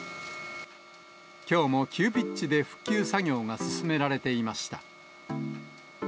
きょうも急ピッチで復旧作業が進められていました。